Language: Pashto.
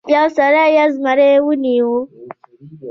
یو سړي یو زمری ونیو.